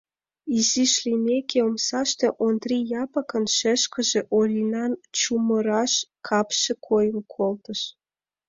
Изиш лиймек омсаште Ондри Япыкын шешкыже Оринан чумыраш капше койын колтыш.